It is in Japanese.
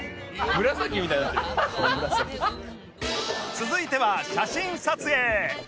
続いては写真撮影！